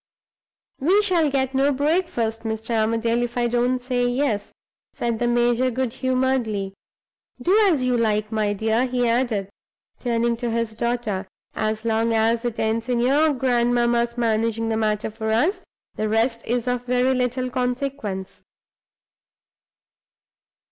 "We shall get no breakfast, Mr. Armadale, if I don't say Yes," said the major good humoredly. "Do as you like, my dear," he added, turning to his daughter. "As long as it ends in your grandmamma's managing the matter for us, the rest is of very little consequence."